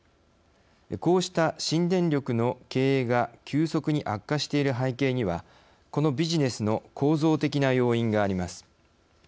こうした新電力の経営が急速に悪化している背景にはこのビジネスの構造的な要因があります。